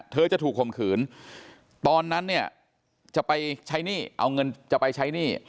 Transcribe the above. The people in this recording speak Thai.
เธอจะถูกข่มขืนตอนนั้นเนี่ยจะไปใช้หนี้เอาเงินจะไปใช้หนี้